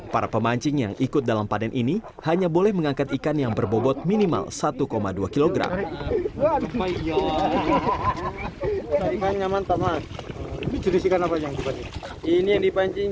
para pemancing yang ikut dalam panen ini hanya boleh mengangkat ikan yang berbobot minimal satu dua kg